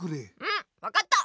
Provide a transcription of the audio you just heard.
うん分かった。